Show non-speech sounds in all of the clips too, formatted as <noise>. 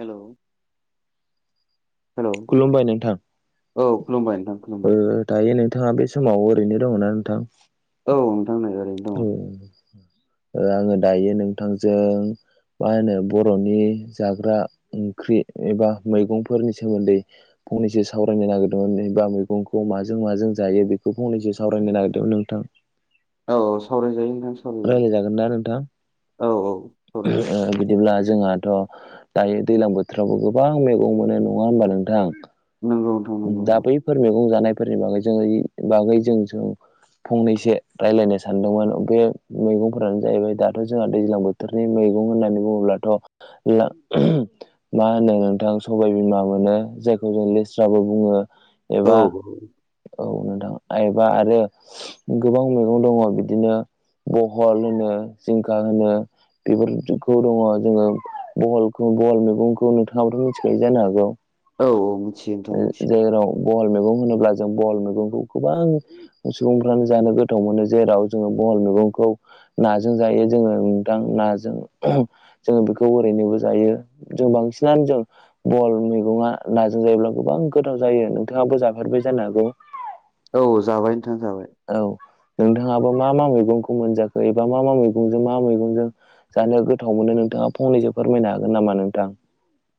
Hello hello खुलुमबाय नोंथां औ खुलुमबाय नोंथां ओ खुलुमबाय दायो नोंथाङा बे समाव ओरैनो दङ ना नोंथां। औ। नै ओरैनो दङ आङो दायो नोंथांजों मा होनो बर'नि जाग्रा ओंख्रि एबा मैगंफोरनि सोमोन्दै फंनैसो सावरायनो नागिरदोंमोनबा मैगंखौ माजों माजों जायो बेखौ फंनैसो सावरायनो नागिरदोंमोन नोंथां। <inaudible> औ औ सावरायजायो नोंथां। सावरायजायो रायलायजागोन ना नोंथां? औ औ सावरायजायो बिदिब्ला जोंहाथ' दायो दैज्लां बोथोरावबो गोबां मैगं मोनो नङा होमबा नोंथां? नंगौ नोंथां नंगौ दा बैफोर मैगं जानायफोरनि बागै जों बागै जों जों फंनैसो रायज्लायनो सानदोंमोन बे मैगंफोरानो जाहैबाय दाथ' जोंहा दैज्लां बोथोरनि मैगं होननानै बुङोबथ' मा होनो नोंथां सबाय बिमा मोनो। जायखौ जों लेस्राबो बुङो। औ। एबा औ नोंथां एबा आरो गोबां मैगं दङ बिदिनो। बहल होनो जिंखा होनो बेफोरफोरखौ दङ जोङो बहलखौ बहल मैगंखौ नोंथाङाबाथ' मिथिखाय जानो हागौ। औ औ। मिथियो नोंथां मिथियो जाय राव बहल मैगं होनोब्ला जों बहल मैगंखौ गोबां सुबुंफ्रानो जानो गोथाव मोनो जेराव जोङो बहल मैगंखौ नाजों जायो जोङो नोंथां नाजों जोङो बेखौ ओरैनो जों बांसि जों बहल मै नाजों जायोब्ला। गोबां गोथाव जायो नोंथाङाबो जाफेरबाय जानो हागौ। औ जाबाय नोंथां जाबाय। औ नोंथाङाबो मा मा मैगंखौ मोनजाखो एबा मा मा मैगंजों मा मैगंजों जानो गोथाव मोनो नोंथां। नोंथाङा फंनैसो फोरमायनो हागोन नामा नोंथां?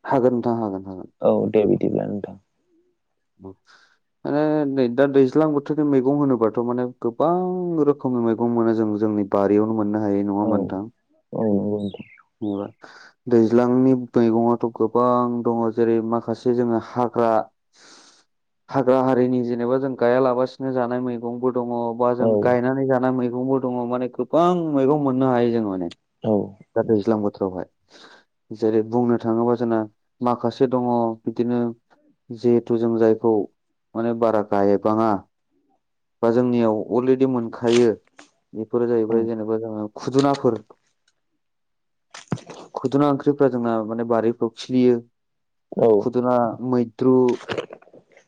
हागोन नोंथां हागोन हागोन। औ दे बिदिब्ला नोंथां। म <unintelligible> माने नै दा दैज्लां बोथोरनि मैगं होनोबाथ' माने गोबां रोखोमनि मैगं मोनो जों जों आंनि बारियावनो मोननो हायो नङा औ होनबा नोंथां। औ नंगौ नोंथां जेनेबा दैज्लांनि मैगङथ' गोबां दङ जेरै माखासे जोङो हा हाग्रा हारिनि जेनेबा जों गायालाबसिनो जानाय मैगं दङ बा जों औ गायनानै जानाय मैगंबो दङ माने गोबां मैगं मोननो हायो जों माने औ दा दैज्लां बोथोरावहाय जेरै बुंनो थाङोबा जोंना माखासे दङ बिदिनो जिहेथु जों जायखौ माने बारा गायबाङा बा जोंनियाव अलरेडि मोनखायो बेफोरो औ जाहैबाय जेनेबा जों खुदुनाफोर खुदुना ओंख्रिफ्रा जोंना माने बारिफ्राव खिलियो औ खुदुना मैद्रु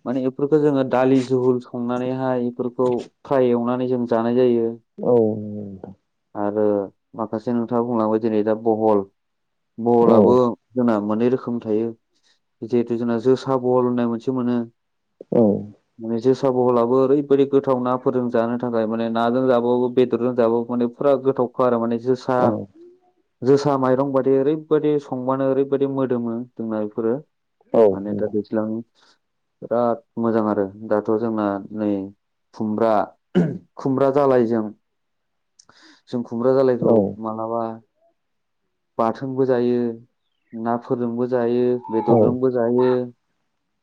माने बेफोरखौ जोङो दालि जुहुल संनानैहाय बेफोरखौय एवनानै जों जानाय जायो आरो माखासे नोंथाङा बुंलांबाय जेरै दा बहल बहलाबो जोंना मोननै रोखोम थायो जिहेतु जोंना जोसा बहल होननाय मोनसे मोनो औ माने जोसा बहलाबो ओरैबायदि गोथाव नाफोरजों जानो थाखाय माने नाजों जाबावो बेदरजों जाबावो माने फुरा गोथावखा आरो माने जोसा जोसा माइ रंबादि ओरैबायादि संबानो ओरैबायदि मोदोमो जोंना बेफोरो माने दा दैज्लां बिराद मोजां आरो दाथ' जोंना नै खुमब्रा खुमब्रा जालाय जों जों खुमब्रा जालायखौ मालाबा बाथोनबो जायो ना फोरजोंबो जायो बेदरजोंबो जायो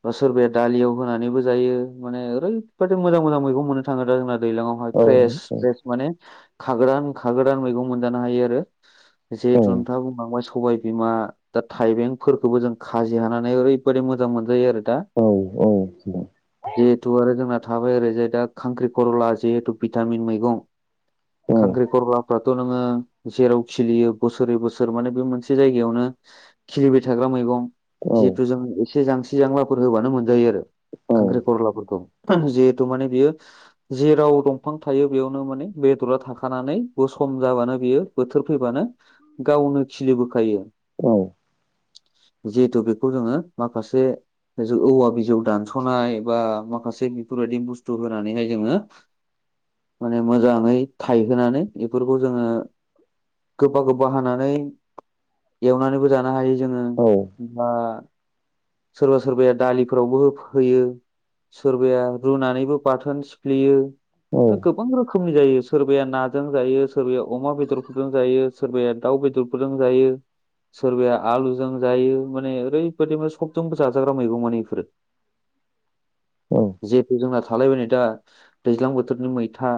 बा सोरबाया दालियाव होनानैबो जायो माने ओरैबादि मोजां मोजां मैगं मोननो थाङो दा जोंना दैलांवहाय फ्रेस फ्रेस माने खागोदान खागोदान मैगं मोनजानो हायो आरो जिहेतु नोंथाङा बुंलांबाय सबाय बिमा दा थाइबेंफोरखौबो जों खाजि हानानै ओरैबायदि मोजां मोनजायो आरो दा जिहेथु आरो जोंना थाबाय आरो जाय दा खांख्रि खरला जिहेतु भिटामिन मैगं खांख्रि खरलाफोर खौ नोङो जेराव खिलियो बोसोरै बोसोर माने बे मोनसे जायगायावनो खिलिबाय थाग्रा मैगं जिहेथु जों एसे जांसि जांलाफोर होबानो मोनजायो आरो खांख्रिखलाफोरखौ जे थु बियो जेराव दंफां थायो बेयावनो माने बेदरा थाखानानै बे सम जाबानो बेयो बोथोर फैबानो गावनो खिलिबोखायो जिहेथु बेखौ जोङो माखासे औवा बिजौ दानस'नाय बा माखासे बेफोरबायदि बुस्थु होनानैहाय जोङो माने मोजाङै थायहोनानै बेफोरखौ जोङो गोबा गोबा हानानै एवनानैबो जानो हायो जोङो औ बा सोरबा सोरबाया दालिफोरावबो हो होयो सोरबाया रुनानैबो बाथोन सिफ्लेयो गोबां रोखोमनि जायो सोरबाया नाजों जायो सोरबाया अमा बेदरफोरजों जायो सोरबाया दाउ बेदरफोरजों जायो सोरबाया आलुजों जायो माने ओरैबायदि मा सबजोंबो जाजाग्रा मैगं माने इफोरो जिहेथु जोंना थालायबाय नै दा दैज्लां बोथोरनि मैथा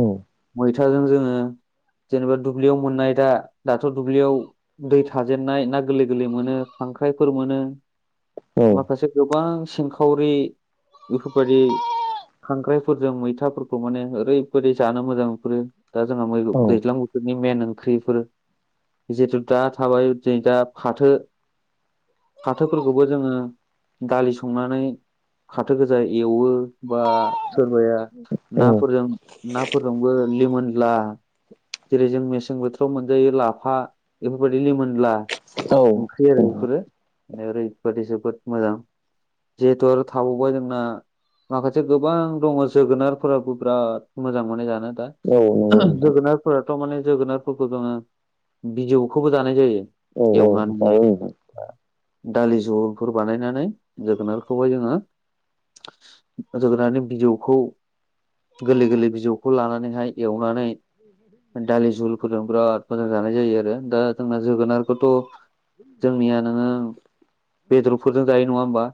ओम मैथाजों जोङो जेनेबा दुब्लियाव मोननाय दा दाथ' दुब्लियाव दै थाजेननाय ना गोरलै गोरलै मोनो फांखा खांख्राइफोर मोनो औ माखासे गोबां सिंखावरि बेफोरबायदि खांख्राइफोरजों मैथाफोरखौ माने ओरैबादि जानो मोजां बेफोरो दा जोंहा मा‌ औ दैज्लां बोथोर मेन ओंख्रिफोर जितु दा थाबाय दिनै दा फाथो फाथोफोरखौबो जोङो दालि संनानै फाथो गोजा एवो बा सोरबाया नंगौ नाफोरजों नाफोरजोंबो लिमोनला जेरै जों मेसें बोथोराव मोनजायो लाफा बेफोरबादिनो रिमोनला ओंख्रि आरो बेफोरो माने ओरैबादि जोबोद मोजां जिहेथु आरो थाबावबाय जोंना माखासे गोबां दङ जोगोनारफोराबो बिराद मोजां मोननाय जानो। दा नोंथां जोगोनारफोर थारमाने जोगोनारफोरखौ जोङो बिजौखौबो जानाय जायो। जानाय एवनानै जायो नोंथां। दालि जहलफोर बानायनानै जोगोनारखौहाय जोङो जोगोनारनि बिजौखौ गोरलै गोरलै बिजौखौ लानानैहाय एवनानै दालि जुलफोरजों बिराद मोजां जानाय जायो आरो दा जोंना जोगोनारखौथ' जोंनिया <inaudible> नोङो बेदरफोरजों जायो नङा होमबा?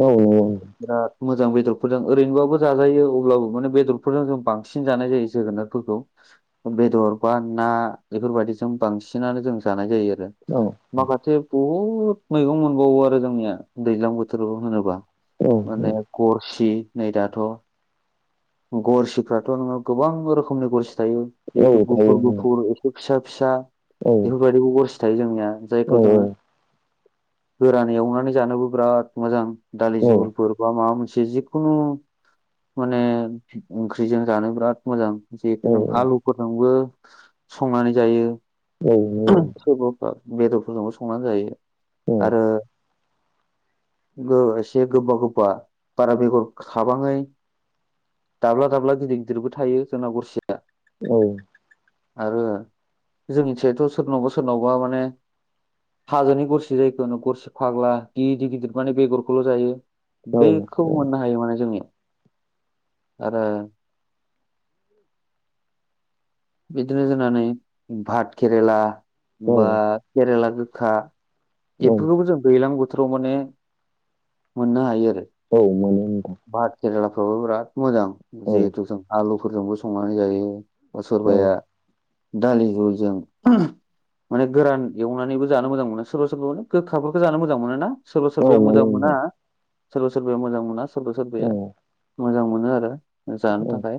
औ औ औ बिराद मोजां बेदरफोरजों ओरैनोबाबो जाजायो अब्लाबो माने बेदरफोरजों जों बांसिन जानाय जायो जोगोनारफोरखौ। बेदर बा ना बेफोरबायदिजों बांसिनानो जों जानाय जायो आरो। औ माखासे बहुत बहुद मैगं मोनबावो आरो जोंनिया दैज्लां बोथोराव होनोबा औ माने गरसि नै दाथ' गरसिफ्राथ' नोङो गोबां रोखोमनि गरसि थायो जिहेथु औ गुफुर गुफुर एसे फिसा फिसा बेफोरबादिबो गरसि थायो जोंनिया जायखौ जोङो <inaudible> गोरानै एवनानै जानोबो बिराद मोजां दालि जहलफोर बा माबा मोनसे जिखुनु माने ओंख्रिजों जानो बिराद मोजां जितु आलुफोरजोंबो संनानै जायो। सोरबाबा बेदरफोरजोंबो संनानै जायो आरो। एसे गोबा गोबा बारा बेगर खाबाङै दाब्ला दाब्ला गिदिर गिदिरबो थायो जोंना गरसिया औ आरो जोंनिथिंथ' सोरनावबा सोरनावबा माने हाजोनि गरसि जायखौ गरसि फाग्ला गिदिर गिदिर माने बेगरखौल' जायो। बेखौ मोननो हायो माने जोंनियाव आरो ओ बिदिनो जोंना नै भात केरेला बा केरेला गोखा औ बेफोरखौबो जों दैज्लां बोथोराव माने मोननो हायो आरो। औ मानो नोंथां केरेलाफ्रावबो बिराद मोजां औ जिहेथु जों आलुफोरजोंबो संनानै जायो। औ सोरबाया दालि जुलजों। माने गोरान एवनानैबो जानो मोजां मोनो सोरबा सोरबाे गोखाफोरखौ जानो मोजां मोनो ना। सोरबा सोरबाया मोनो मोजां मोना। सोरबा सोरबाया मोजां मोना सोरबा सोरबाया नोंथां मोजां मोनो आरो जानो औ थाखाय।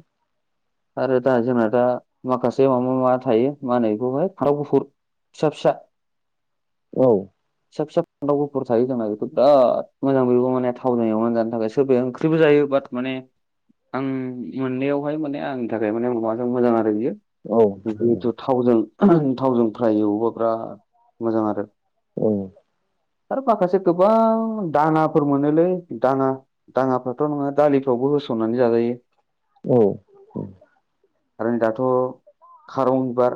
आरो दा जोंना दा माखासे माबा माबा थायो मा होनो बेखौहाय फानथाव गुफुर फिसा फिसा औ फिसा फिसा फानथाव गफुर थायो जोंना बेखौ बिराद मोजां बेबो माने थावनायावनानै जानो थाखाय सोरबाया ओंख्रिबो जायो। माने आं मोननायैवहाय माने आंनि थाखाय माने माबाजों मोजां आरो आरो बियो औ जिहेथु थावजों थावजों फ्राय एवोबा बिराद मोजां आरो। औ आरो माखासे गोबां दाङाफोर मोनोलै दाङा दाङाफ्राथ' नोङो दालि। फ्रावबो होसननानै जाजायो औ आरो दा थ' खारं बिबार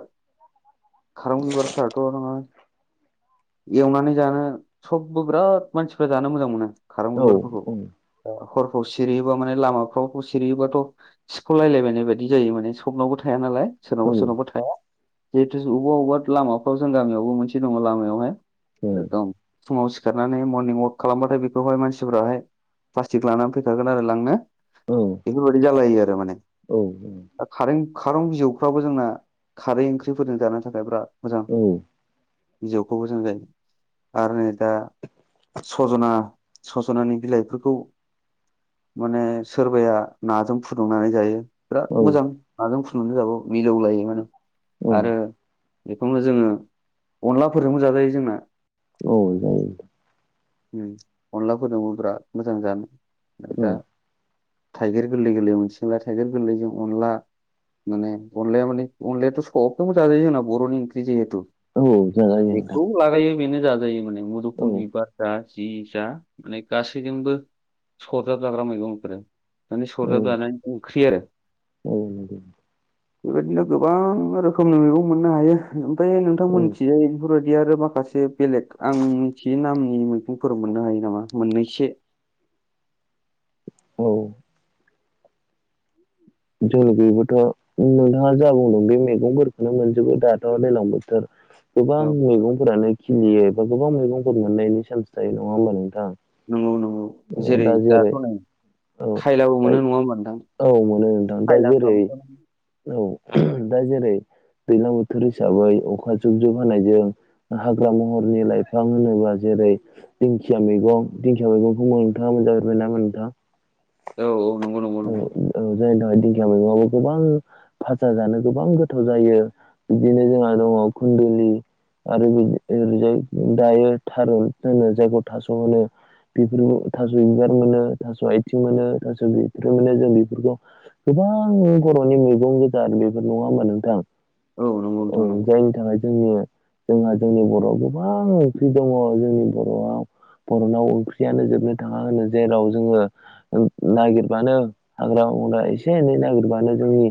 खारं बिबारफ्राथ' नोङो एवनानै जानो सबबो बिराद मानसिफ्रा जानो मोजां मोनो खारं बिबारफोरखौ। हरफ्राव सिरिहैयोबा माने लामाफ्राव सिरियोबाथ' सिख' लायलाबायनाय बायदि जायो माने सबनावबो थां। थाया नालाय सोरनावबा सोरनावबा थाया। जिहेथु बबेबा अबेबा लामाफ्राव जों गामियावबो मोनसे दङ लामायावहाय एकदम फुङाव सिखारनानै मरनिं अवाक खालामबाथाय बेखौहाय मानसिफोराहाय। प्लास्टिक लानानै फैखागोन आरो लांनो बेफोरबायदि जालायो आरो माने औ औ खारें खारं बिजौफ्राबो जोंना खारै ओंख्रिफोरजों जानो थाखाय बिराद। मोजां औ। बिजौखौबो जों जायो आरो नै दा सजना सजनानि बिलाइफोरखौ। माने सोरबाया नाजों फुदुंनानै जायो बिराद मोजां। माजों फुदुंनानै जाबाबो मिलौ लायो माने आरो। बेखौनो जोङो अनलाफोरजोंबो जाजायो जोंना औ ओम अनलाफोरजोंबो बिराद मोजां जानो औ दा थाइगेर गोरलै गोरलै मोनसिगोनलाय थाइगिर गोरलैजों अनला। माने अनलाया माने अनलायाथ' सबजोंबो जाजायो जोंना बर'नि ओंख्रि जिहेतु। औ जाजायो नोंथां। बेनो जाजायो माने औ मुदुफुल बिबार जा जि जा माने गासैजोंबो। सरजाब जाग्रा मैगंफोर माने सरजाब जानानै ओंख्रि आरो। द द बेबायदिनो गोबां रोखोमनि मैगं मोननो हायो ओमफ्राय नोंथां मिथिजायो बेफोर बायदि आरो मा? माखासे बेलेग आं मिथियै नामनि मैखंफोराव मोननो हायो नामा मोननैसो। <inaudible> जों बेयबोथ' नोंथाङा जा बुंदों बे मैगंफोरखौनो मोनजोबो दाथ' दैज्लां बोथोर। गोबां औ मैगंफोरानो खिलियो एबा गोबां मैगंफोर मोननायनि चान्स थायो नङा होमबा नोंथां। नंगौ नंगौ औ, जेरै दा दाथ' नै औ खायलाबो दा मोनो नङा होनबा नोंथां। औ मोनो नोंथां दा जेरै खायलाफ्राबोथ' औ दा जेरै दैज्लां बोथोर हिसाबै अखा जुब जुब होनायजों हाग्रा महरनि लाइफां होनोबा जे जेरै दिंखिया मैगं दिंखिया मैगंखौ नोंथाङा मोनजा बाय नामा नोंथाङा। औ। नंगौ नंगौ औ नंगौ औ जायनि थाखाय दिंखिया मैगंआ गोबां भाजा जानो गोबां गोथाव जायो। बिदिनो जों दङ खुन्दलि आरो बिदि ओरैजाय दायो थारुन होनो जायखौ थास' होनो। बे थास' एंगार मोनो थास' आथिं मोनो थास' बि बेफोरनो जों बेफोरखौ गोबां बर'नि मैगं गोदान बेफोर नङा होमा नोंथां। औ नंगौ औ नोंथां नगौ। जायनि थाखाय जोंनि जोंहा जोंनि बर'आव गोबां ओंख्रि दङ जोंनि बर'आव। बर'नाव ओंख्रियानो जोबनो थाङा होनो जेराव जोङो नागिर। बानो हाग्रा बंग्रा एसे एनै नागिरबानो जोंनि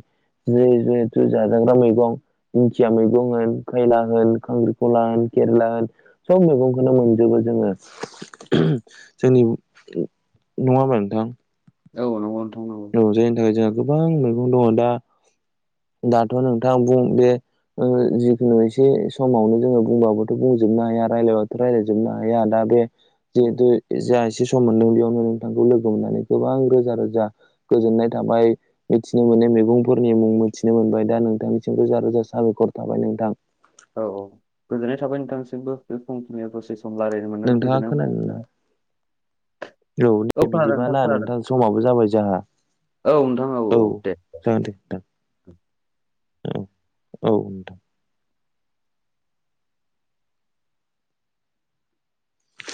जेरै जाजाग्रा मैगं दिंखिया मैगं होन खैला होन खांख्रिखला होन केरेला होन सब मैगंखौनो मोनजोबो। जोङो जोंनि नङा होनबा नोंथां? औ नंगौ। नोंथां नंगौ रंजायनि थाखाय जोंहा गोबां मैगं दङ दा दाथ' नोंथां बुं बे जिखुनु एसे समावनो जोङो बुंबाबथ' बुंजोबनो हाया रायजलायबाथ' रायज्लायजोबनो हाया दा बे औ जिहेतु जा एसे सम मोनदों बेयावनो नोंथांखौ लोगो मोननानै गोबां रोजा रोजा गोजोननाय थाबाय मिथिनो मोननाय मैगंफोरनि मुं मिथिनो मोनबाय दा नोंथांनिसिम रोजा रोजा साबाय खर थाबाय नोंथां। औ औ गोजोननाय थाबाय नोंथांसिमबो बे फुंखिनिया दसे सम रायलायनो मोननानै नोंथाङा गोजोननाय मोना खोनादोंना औ दे बिदिबा ना नोंथां समाबो जाबाय जोंहा औ नोंथां औ दे जागोन दे नोंथां। औ औ नोंथां।